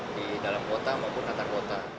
di dalam kota maupun antar kota